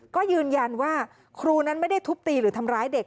ก็ยืนยันว่าครูนั้นไม่ได้ทุบตีหรือทำร้ายเด็ก